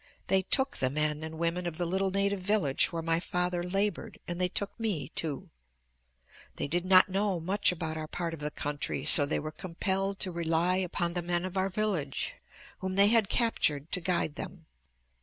They took the men and women of the little native village where my father labored, and they took me, too. They did not know much about our part of the country so they were compelled to rely upon the men of our village whom they had captured to guide them.